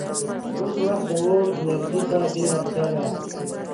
اوس وخت د اور انرژۍ ته ډېره اړتیا ده.